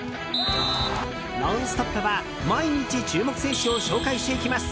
「ノンストップ！」は毎日注目選手を紹介していきます。